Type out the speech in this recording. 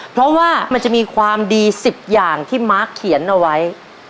เพราะว่ามันจะมีความดี๑๐อย่างที่มาร์คเขียนเอาไว้